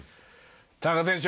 田中選手